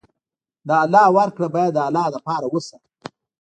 د الله ورکړه باید د الله لپاره وساتو.